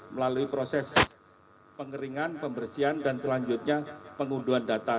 melalui proses pengeringan pembersihan dan selanjutnya pengunduhan data